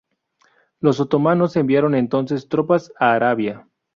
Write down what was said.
Los otomanos enviaron, entonces, tropas a Arabia.